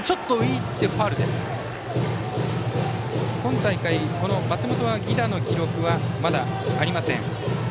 今大会、松本は犠打の記録はまだありません。